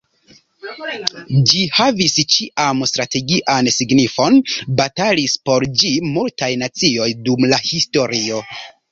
Ĝi havis ĉiam strategian signifon, batalis por ĝi multaj nacioj dum la historio.